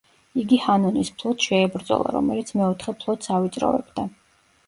იგი ჰანონის ფლოტს შეებრძოლა, რომელიც მეოთხე ფლოტს ავიწროვებდა.